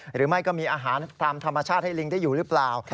หรือไม่ก็มีอาหารตามธรรมชาติให้ลิงได้อยู่หรือเปล่า